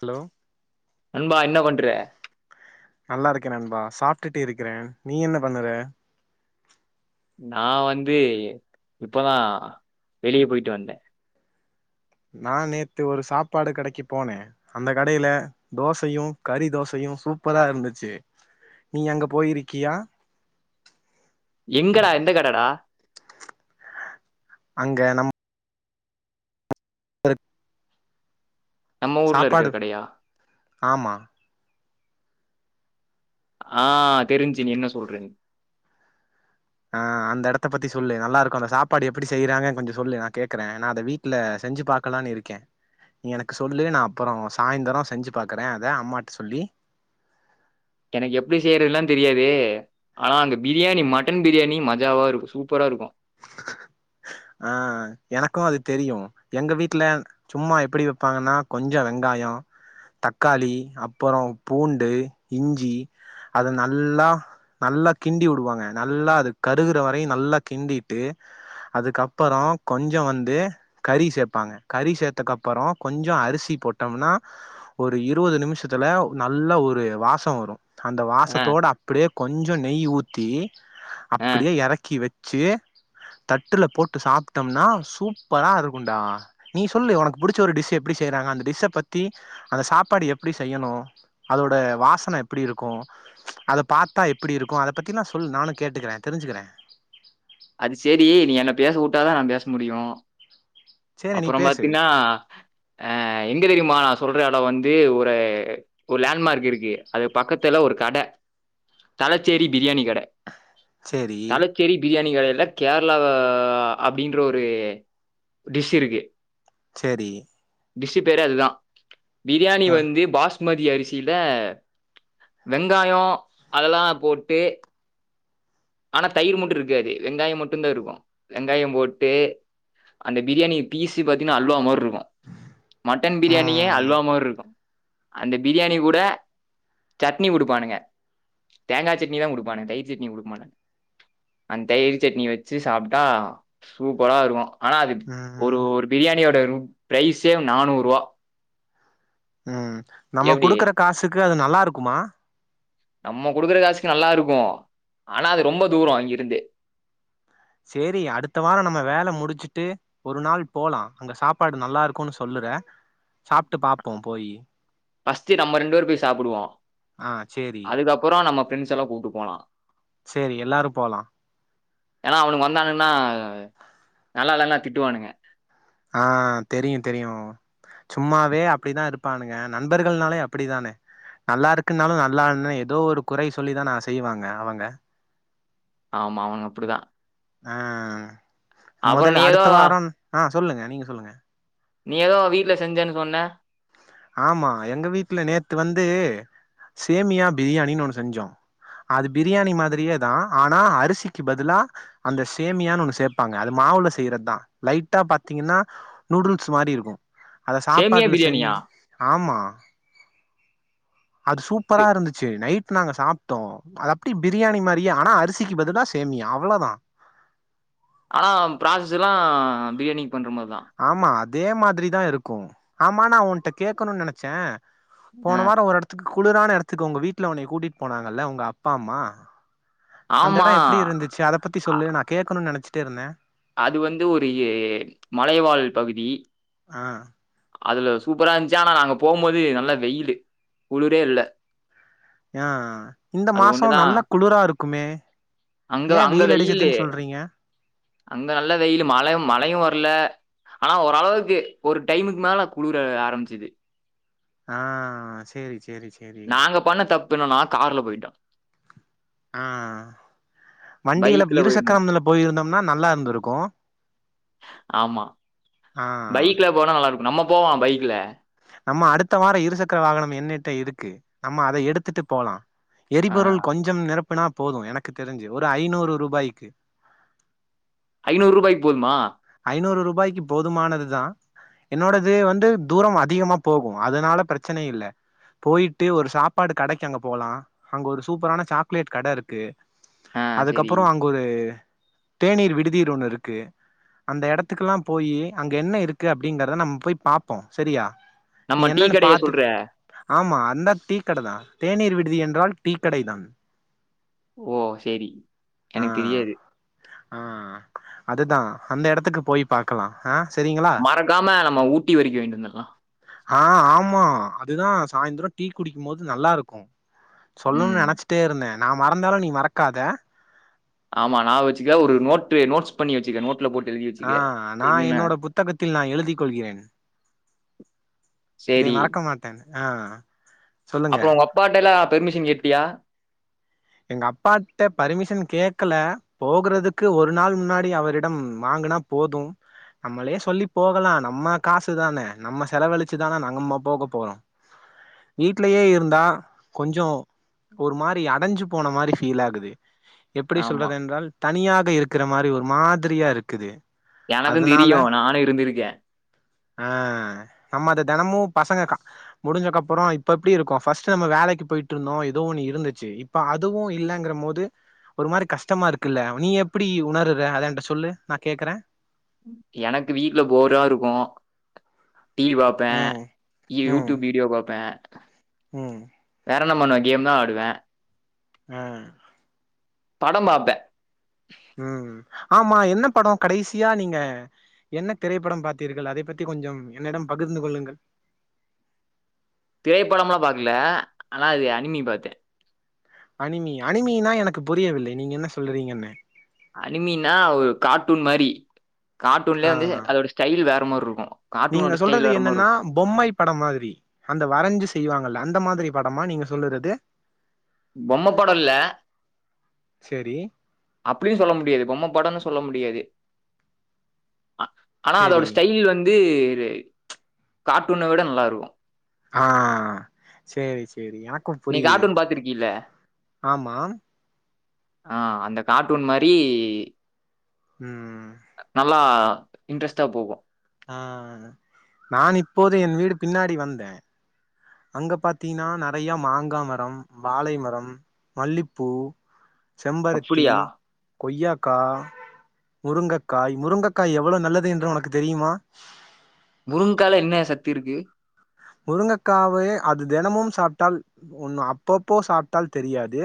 Hello நண்பா என்ன பண்ற நல்லா இருக்கேன் நண்பா சாப்டிட்டு இருக்கிறேன் நீ என்ன பண்ணுற நா வந்து இப்பதான் வெளிய போயிட்டு வந்தேன் நான் நேத்து ஒரு சாப்பாடு கடைக்கு போனேன் அந்த கடையில தோசையும் கறி தோசையும் சூப்பரா இருந்துச்சு நீ அங்க போயிருக்கியா எங்கடா எந்த கடடா அங்க நம் [unintelligible] நம்ம ஊர்ல இருக்கிற சாப்பாடு கடையா ஆமா ஆ தெரிஞ்சி நீ என்ன சொல்றேனு ஆ அந்த எடத்த பத்தி சொல்லு நல்லா இருக்கும் அந்த சாப்பாடு எப்படி செய்யறாங்க கொஞ்சம் சொல்லு நான் கேக்குறேன் நா அத வீட்ல செஞ்சி பாக்கலான்னு இருக்கேன் நீ எனக்கு சொல்லு நான் அப்புறம் சாய்ந்தரம் செஞ்சி பாக்குறேன் அத அம்மாட்ட சொல்லி எனக்கு எப்படி செய்யறதுல்லாம் தெரியாது ஆனா அங்க பிரியாணி மட்டன் பிரியாணி மஜாவா இருக்கும் சூப்பரா இருக்கும் ஆ எனக்கும் அது தெரியும் எங்க வீட்ல சும்மா எப்படி வைப்பாங்கன்னா கொஞ்சம் வெங்காயம் தக்காளி அப்புறம் பூண்டு இஞ்சி அத நல்லா நல்லா கிண்டி உடுவாங்க நல்லா அது கருகுற வரையும் நல்லா கிண்டிட்டு அதுக்கப் அப்புறம் கொஞ்சம் வந்து கறி சேப்பாங்க கறி சேத்தக்கப்புறம் கொஞ்சம் அரிசி போட்டோம்னா ஒரு இருவது நிமிஷத்துல நல்ல ஒரு வாசம் வரும் அந்த ஆ வாசத்தோட அப்டே கொஞ்சம் நெய் ஊத்தி ஆ அப்படியே எறக்கி வச்சி தட்டுல போட் ட்டு சாப்பட்டோம்னா சூப்பரா இருக்கும்டா நீ சொல்லு ஒனக்கு புடிச்ச ஒரு டிஷ் எப்டி செய்யறாங்க அந்த டிஷ்ச பத்தி அந்த சாப்பாடு எப்டி செய்யணும் அதோட வாசன எப்டி இருக்கும் அத பாத்தா எப்டி இருக்கும் அத பத்திலா நான் சொல் நானும் கேட்டுக்கிறேன் தெரிஞ்சுக்கிறேன் அது சரி நீ என்ன பேச உட்டாதான் நான் பேச முடியும் சேரி நீ அப்புறம் பேசு பாத்தீன்னா ஆ எங்க வீடு மாஸ் சொல்ற அளவு வந்து ஒரு ஒரு லேண்ட்மார்க் இருக்கு அது பக்கத்துல ஒரு கட தலச்சேரி பிரியாணி கட சேரி தலச்சேரி பிரியா ணி கடைல கேரளா ஆ அப்டின்ற ஒரு டிஷ் இருக்கு செரி டிஸ் பேரே அதுதான் பிரியாணி அ வந்து பாஸ் பாஸ்மதி அரிசியில வெங்காயம் அதெல்லாம் போட்டு ஆனா தயிர் மட்டும் இருக்காது வெங்காயம் மட்டும் தான் இருக்கும் வெங்காயம் போட்டு அந்த பிரியாணி பீசு பாத்தீன்னா அல்வா மாரி இருக்கும் மட்டன் பிரியாணியே ம் அல்வா மாதிரி இருக்கும் அந்த பிரியாணி கூட சட்னி கொடுப்பானுங்க தேங்காய் சட்னி தான் கொடுப்பானுங்க தயிர் சட்னி கொடுக்கமாட்டாங்க அந்த தயர் சட்னி வச்சு சாப்பிட்டா சூப்பரா இருக்கும் ஆனா அது ஒரு ம் ஒரு பிரியாணி ஒரு ப்ரைஸே நானூறுவா உம் நம்ம குடுக்குற காசுக்கு கு அது நல்லா இருக்குமா நம்ம கொடுக்குற காசுக்கு நல்லா இருக்கும் ஆனா அது ரொம்ப தூரம் அங்கிருந்து செரி அடுத்த வாரம் நம்ம வேலை முடிச்சுட்டு ஒரு நாள் போலாம் அங்க சாப்பாடு நல்லா இருக்குன்னு சொல்லுற சாப்பிட்டு பாப்போம் போயி பர்ஸ்டு நம்ம ரெண்டு பேரும் போய் சாப்பிடுவோம் ஆ சேரி அதுக்கப்புறம் நம்ம ப்ரெண்ட்ஸ் எல்லாம் கூட்டு போலாம் செரி எல்லாரும் போலாம் ஏன்னா அவனுங்க வந்தானுங்கனா நல்லா இல்லனா திட்டுவானுங்க ஆஹ் தெரியும் தெரியும் சும்மாவே அப்படிதான் இருப்பானுங்க நண்பர்கள்னாலே அப்படிதானே நல்லா இருக்குனாலும் நல்லா இல்லனுதா ஏதோ ஒரு குறை சொல்லிதான் நான் செய்வாங்க அவங்க ஆமா அவங்க அப்படிதான் ஆஹ் அப்புறம் முதல்ல நீ ஏதோ அடுத்த வாரம் ஆஹ் சொல்லுங்க நீங்க சொல்லுங்க நீ ஏதோ வீட்டுல செஞ்சன்னு சொன்ன ஆமா எங்க வீட்டுல நேத்து வந்து சேமியா பிரியாணின்னு ஒண்ணு செஞ்சோம் அது பிரியாணி மாதிரியே தான் ஆனா அரிசிக்கு பதிலா அந்த சேமியான்னு ஒண்ணு சேர்பாங்க அது மாவுல செய்யறதுதான் லைட்டா பாத்தீங்கன்னா நூடுல்ஸ் மாரி இருக்கும் அத சேமியா சாப்பாடுல பிரியாணியா? செஞ்சு ஆமா அது டு சூப்பரா இருந்துச்சு நைட் நாங்க சாப்பிட்டோம் அது அப்படி பிரியாணி மாறியே ஆனா அரிசிக்கு பதிலா சேமியா அவ்வளதான் ஆனா ப்ராசஸ் எல்லாம் பிரியாணி பண்றமார்தான் ஆமா அதே மாதிரி தான் இருக்கும் ஆமா நா உன்கிட்ட கேட்கணும்னு நினைச்சேன் அ போன வாரோம் ஒரு இடத்துக்கு குளிரான இடத்துக்கு உங்க வீட்டுல உன்னைய கூட்டிட்டு போனாங்கல்ல உங்க அப்பா அம்மா அந்த ஆமா. இடம் எப்படி இருந்துச்சு அத பத்தி அ சொல்லு நான கேட்கணுன்னு நெனச் ட்டு இருந்தே அது வந்து ஒரு ஏ மலைவாழ் பகுதி ஆ அதுல சூப்பரா இருந்துச்சி ஆனா நாங்க போம்போது நல்ல வெயிலு குளுரே இல்ல ஆ இந்த அது மாசோ ஒண்ணுதா நல்லா குளிரா இருக்குமே அங்க ஏ அங்க வெயில் வெயிலு அடிச்சதுன்னு சொல்றீங்க அங்க நல்ல வெயிலு மழயு மழையு வரல ஆனா ஓரளவுக்கு ஒரு டைமுக்கு மேல குளுர ஆரம்பிச்சிது ஆ சேரி சே நாங்க பண்ண தப்புன்னனா கார்ல போயிட்டோ ஆ வண்டியில பைக்ல போயிருந் இருசக்கரம்ல போயிருந்தோம்னா நல்லா இருந்திருக்கு ஆமா ஆ பைக்ல போனா நல்லா இருக்கு நம்மபோவோ பைக் க்ல்ல நம்ம அடுத்த வாரோ இருசக்கர வாகனம் என்னிட்ட இருக்கு நம்ம அத எடுத்துட்டு போலா ஆ எரிபொருள் ரூ. கொஞ்சம் நிரப் ப்பனா போது எனக்கு தெரிஞ்சி ஒரு ஐநூறு ரூபாய்க்கு ஐநூறு ரூபாய்க்கு போதுமா ஐநூறு ரூபாய்க்கு போதுமானது தா என்னோடது வந்து தூரம் அதிகமா போகும் அதனால பிரச்சன இல்ல போயிட்டு ஒரு சாப்பாடு கடைக்கு அங்க போகலா அங்க ஒரு சூப்பரான சாக்லேட் கட இருக்கு ஆ சரி. அதுக்கப்புறோ அங்க ஒரு தேநீர் விடுதியீதியிரு ஒன்னு இருக்கு அந்த இடத்துக்குல்லா போயி அங்க என்ன இருக்கு அப்பிடிங்கறத நம்ம போய் பாப்போ சரியா நம்ம டீ கடைய சொல்ற இந்தா டீக்கடதா தேநீர் விடுதி என்றால் டீக்கடை தான் ஓ சேரி எனக்கு ஆ தெரியாது ஆ அதுதா அந்த எடத்துக்கு போய் பாக்கலா ஆ சரிங்களா மறக்காம நம்ம ஊட்டி வரிக்கி வாய்ன்ட்டு வந்தரலா ஆ ஆமா அதுதா சாயந்திரொ டீ குடிக்கு போது நல்லா இருக்கு சொல்லணுன்னு ம். நெனச்சிட்டே இருந்தே நா மறந்தாலு நீ மறக்காத ஆமா நா வச்சுக்கே ஒரு நோட்டு நோட்ஸ் பண்ணி வச்சிக்க நோட்ல போட் ஆஹ் நான் என்னோட புத்தகத்தில் நான் எழுதிக் கொள்கிறேன் இதை சரி. மறக்க மாட்டேன் ஆஹ் சொல்லுங்க அப்புறம் உங்க அப்பாட்டலாம் பெர்மிஷன் கேட்டியா? எங்க அப்பாட்ட பர்மிஷன் கேக்கல போகறதுக்கு ஒரு நாள் முன்னாடி அவரிடம் வாங்கனா போதும் நம்மளே சொல்லி போகலா நம்ம காசுதான நம்ம செலவழிச்சுதான நாங்கம்மா போக போறோ வீட்லயே இருந்தா கொஞ்சோ ஒரு மாரி அடஞ்சி போன மாரி ஃபீல் ஆகுது எப்பிடி ஆமா. சொல்றது என்றால் தனியா க் இருக்கிற மாரி ஒரு மாதிரியா இருக்குது எனக்கு அதனால தெரியும் நானும் இருந்திருக்கேன் தினமும் பசங்க முடிஞ்ச அப்புற இப்ப எப்படி இருக்கு பஸ் நம்ம வேலைக்கு போயிட்டு இருந்தோம் ஏதோ ஒன்னு இருந்துச்சு இப்ப அதுவும் இல்லங்கிற போது ஒரு மாரி கஷ்டமா இருக்குல்ல நீ எப்பிடி உணருற அத என்ட சொல்லு நான் கேக்குறேன் எனக்கு வீட்டுல போரா இருக்கும் டிவி பாப்பேன் ம் யூடியூப் வீடியோ பாப்பேன் உம் நம்மன்ன கேம் தா ஆடுவேன் ஹ படம்பாப்பேன் உம் ஆமா என்ன படம் கடைசியா நீங்க என்ன திரைப்பட பார்த்தீர்கள் அதை பத்தி கொஞ்சம் என்னிடம் பகிர்ந்து கொள்ளுங்கள் திரைப்படம்லா பாக்கல ஆனா அது அனிமி பாத்தேன் அனிமி அனிமினா எனக்கு புரியவில்லை நீங்க என்ன சொல்றீங்கன்னு அனிமினா ஒரு கார்ட்டூன் மாரி கார்ட்டூன்லயே வந்து ஆஹ அதோட ஸ்டைல் வேற மாரி இருக்கும். நீங்க கார்ட்டூனோட சொல்றது ஸ்டைல் வேற மாரி என்னன்னா இருக்கும். பொம்மை படம் மாதிரி அந்த வரைஞ்சு செய்வாங்கல்ல அந்த மாதிரி படமா நீங்க சொல்லுறதுகு பொம்ம பட இல்ல சேரி அப்புடின்னு சொல்ல முடியாது பொம்ம படம்னு சொல்ல முடி முடியாது ஆனா அதோட சேரி ஸ்டைல் வந்து வந்து கார்ட்டூனை விட நல்லா இருக்கும் ஆஹ சேரி சேரி எனக்கும் நீ புரியுது கார்ட்டூன் பாத்துருக்கீல்ல? ஆமா ஆஹ அந்த கார்ட்டூன் மாரி உம் நல்லா இன்ட்ரெஸ்ட்டா போகும் ஆஹ நா இப்போது என் வீடு பின்னாடி வந்தேன் அங்க பாத்தீங்கின்னா நறைய மாங்கா மரம் வாழை மரம் மல்லிப்பூ செம்பருத்தி அப்டியா? கொய்யா கா முருங்கக்காய் முருங்கக்காய் எவ்வள நல்லது என்று உனக்கு தெரியுமா முருங்ககாயில என்ன சக்தி இருக்கு முருங்கக்காவ அது தினமும் சாப்ட்டால் ஒன்னு அப்பப்போ சாப்ட்டால் தெரியாது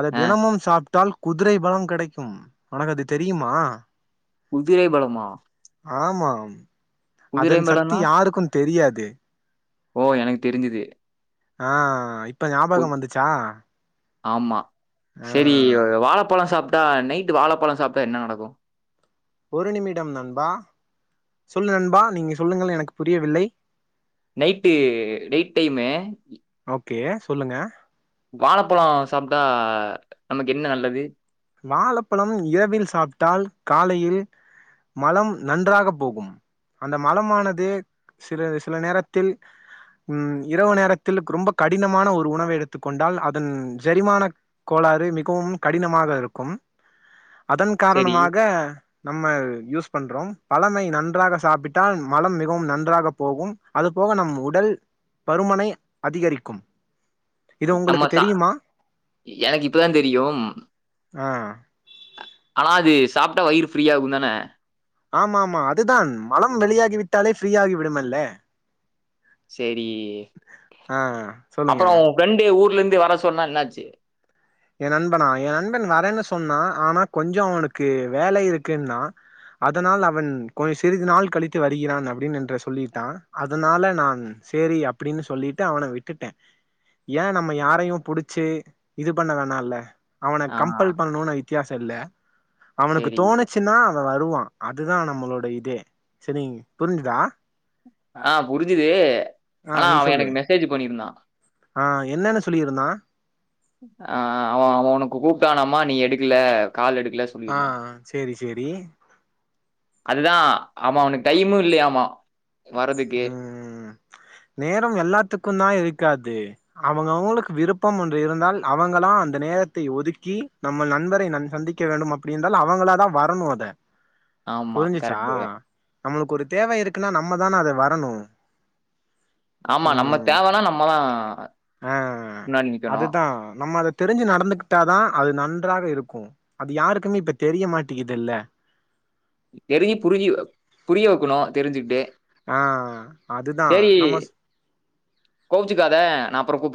அத ஆ தினமும் சாப் விட்டால் குதிரை பலம் கெடைக்கும் உனக்கது தெரியுமா குதிரை பலமா ஆமா குதிரை அதன் சத்தி பலம்னா? யாருக்கும் தெரியாது [unintelligible] ஓ எனக்கு தெரிஞ்சிது ஆ ஐப் உத் ஆமா ஆ செரி வாழப்பழோ சாப் டா நைட் வாழப்பழோ சாப்டா என்ன நடக்கும் ஒரு நிமிடம் நண்பா சொல்லு நண்பா நீங்க சொல்லுங்கள் எனக்கு புரியவில்லை நைட்டு டேட் டைம்மு கே சொல்லுங்க வாழப்பழோ சாப்டா நமக் என்ன நல்லது வாழப்பழம் இரவில் சாப்டால் காலையில் மலம் நன்றாக போகும் அந்த மலமானது சில சில நேரத்தில் ம் இரவு நேரத்தில் ரொம்ப கடினமான ஒரு உணவு எடுத்துக் கொண்டால் அதன் ஜொரிமானக் கோளாறு மிகவும் கடினமாக இரு கம் அதன் சரி. காரணமாக நம்ம யூஸ் பண்றோம் பழமை நன்றாக சாப்பிட்டால் மலம் மிகவும் நன்றாக போகும் அது போக நம் உடல் பருமனை அதிகரிக்கும் இது நம்ம உங்களுக்கு சா தெரியுமா எனக்கு இப்ப தா தெரியும் ஆ ஆனா அது சாப்டா வயிறு ஃப்ரீயாகும் தான ஆமாமா அதுதான் மலம் வெளியாகி விட்டாலே ஃப்ரீயாகி விடுமல்ல செரி ஆ சொல்லுங்க அப்றோ ஒ ஃப்ரெண்டு ஊர்லந் து வர சொன்னா என்னாச்சு எ நண்பனா எ நண்பன் வரேன்னு சொன்னா ஆனா கொஞ்சோ அவனுக்கு வேலை இருக்குன்னா அதனால் அவன் கொஞ் சிறிது நாள் கழித்து வருகிறான் அப்டின் என்ற சொல்லிவிட்டா அதனால நான் செரி அப்டின்னு சொல்லிட்டு அவன விட்டுட்ட ஏ நம்ம யாரையும் புடிச்சு இதுப் பண்ண வேணால அவன ஆ கம்பல் பண்ணுனு வித்யாஸ் தெல்ல அவனுக்கு சரி. தோணுச்சுன்னா அவ வருவா அதுதா நம் நம்மளோட இதே செரிங் புரிஞ்சுதா ஆ புரிஞ்சுது ஆ ஆனா நீ அவ சொல்லு எனக்கு மெசேஜ் பண்ணிருந்தா ஆ என்னனு சொல்லிருந்தா அ அ அவ அவ உனக்கு கூப்டானாமா நீ எடுக்கில ஆ ஆ செரி செரி அதுதா ஆமா அவனுக்கு டைமும் இல்யாமா ம் ம் ம் நேரோ எல்லாத்துக்கும் தா இருக்காத் தே அவங்கவுங்களுக்கு விருப்பம் ஒன்று இருந்தால் அவங்களா அந்த நேரத்தை ஒதுக்கி நம்மள் நண்பரை நன் சந்திக்க வேண்டும் அப்டி என்றால் அவங்களா தா வரணு அத ஆமா புரிஞ்சிச்சா கரெக்ட்டு. நம்மளுக்கு ஒரு தேவ இருக்குன்னா நம் நம்மதான அத வரணும் ஆமா நம்ம தேவனா நம்மதாம் ஆ முன்னாடி நிக்கணும் அதுதா நம்ம அத தெரிஞ்சு நடந்துகிட்டாதான் அது நன்றாக இருக்கும் அது யாருக்குமே இப்ப தெரிய மாட்டிகிது இல்ல தெரியு புரிஞ்சி புரிய வக்கணும் தெரிஞ்சுட்டு ஆ அதுதா சரி நம்ம கோவிச்சுக்காத நா அப்புறம் கூப்ப